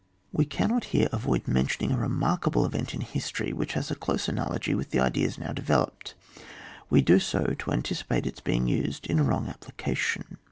We cannot here avoid mentioning a remarkable event in history, which has a close analogy with the ideas now deve loped ; we do so to anticipate ite being used in a wrong application.